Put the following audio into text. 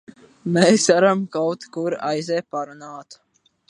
Mēs varam kaut kur aiziet parunāt?